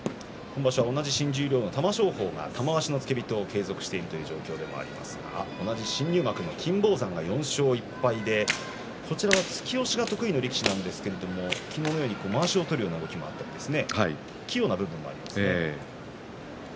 今場所は同じ新十両の玉正鳳が玉鷲の付け人を継続しているということですが同じ新入幕の金峰山が４勝１敗、突き押しが得意の力士ですが昨日のようにまわしを取る動きもありました